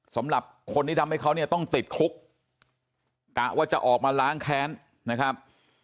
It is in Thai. สำหรับคนที่ทำให้เขาเนี่ยต้องติดคุกกะว่าจะออกมาล้างแค้นนะครับ